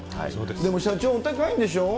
でも、社長、お高いんでしょ。